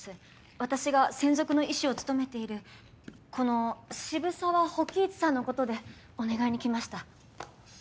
私が専属の医師を務めているこの澁澤火鬼壱さんのことでお願いに来ました。